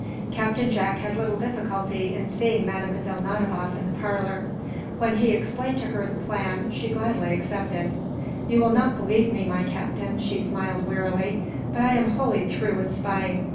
Captain Jack had little difficulty in seeing Mlle. Nadiboff in the parlor. When he explained to her the plan, she gladly accepted. "You will not believe me, my Captain," she smiled, wearily, "but I am wholly through with spying.